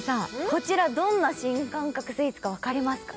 こちらどんな新感覚スイーツかわかりますか？